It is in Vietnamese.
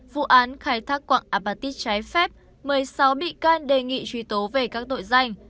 vụ án khai thác quạng apatit trái phép một mươi sáu bị can đề nghị truy tố về các tội danh